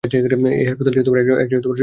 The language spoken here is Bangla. এই হাসপাতালটি একটি সরকারি হাসপাতাল।